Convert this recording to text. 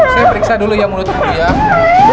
saya periksa dulu ya mulutku